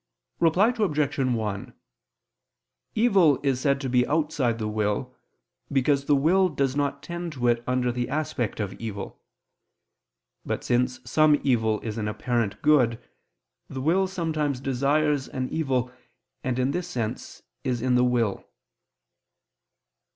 Reply Obj. 1: Evil is said to be outside the will, because the will does not tend to it under the aspect of evil. But since some evil is an apparent good, the will sometimes desires an evil, and in this sense is in the will.